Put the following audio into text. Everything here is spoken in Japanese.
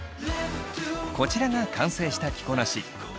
こちらが完成した着こなし。